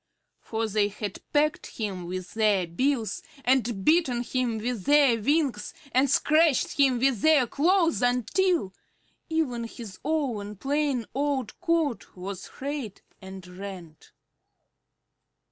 For they had pecked him with their bills and beaten him with their wings and scratched him with their claws until even his own plain old coat was frayed and rent.